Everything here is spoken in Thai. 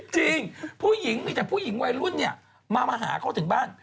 จริงมีแต่ผู้หญิงวัยรุ่นเนี่ยมาหาเขาถึงบ้าน